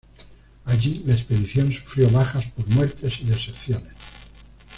Allí, la expedición sufrió bajas por muertes y deserciones.